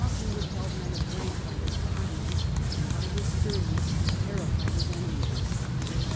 }en repelled men of rank by his haughtiness, and by his sternness terrified his enemies.